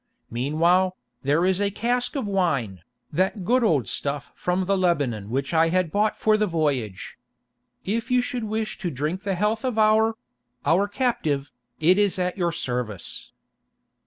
Meanwhile, there is a cask of wine, that good old stuff from the Lebanon which I had bought for the voyage. If you should wish to drink the health of our—our captive, it is at your service."